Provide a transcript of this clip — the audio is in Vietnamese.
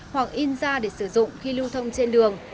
hoặc in ra để sử dụng khi lưu thông trên đường